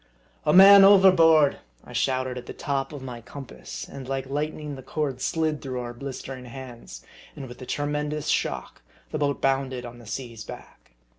" A man overboard !" I shouted at the top of my com pass ; and like lightning the cords slid through our blister ing hands, and with a tremendous shock the boat bounded on the sea's back.